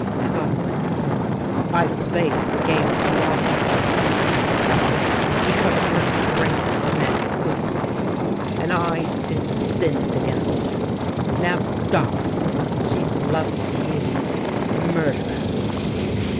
Dubarre went on. " I played the game with you A FRAGMENT OF LIVES 281 honestly, because — because it was the greatest man could play. And I, too, sinned against her. Now die ! She loved you — murderer